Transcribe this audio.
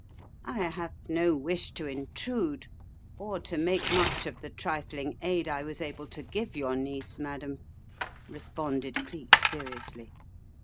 "I have no wish to intrude or to make much of the trifling aid I was able to give your niece, Madam," responded Cleek seriously.